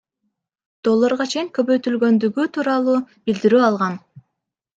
долларга чейин көбөйтүлгөндүгү тууралуу билдирүү алган.